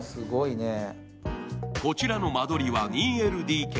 こちらの間取りは２ＬＤＫ。